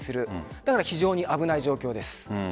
だから非常に危ない状況です。